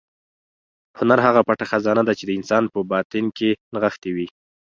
هنر هغه پټه خزانه ده چې د انسان په باطن کې نغښتې وي.